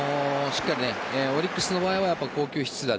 しっかりオリックスの場合は好球必打。